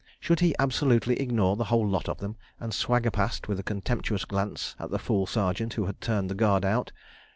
Should he absolutely ignore the whole lot of them, and swagger past with a contemptuous glance at the fool Sergeant who had turned the Guard out?